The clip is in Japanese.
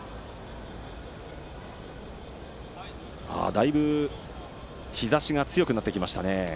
だいぶ、日ざしが強くなってきましたね。